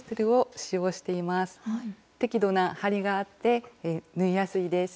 適度な張りがあって縫いやすいです。